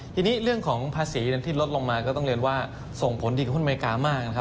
ทีนี้เรื่องของภาษีที่ลดลงมาก็ต้องเรียนว่าส่งผลดีกับคุณอเมริกามากนะครับ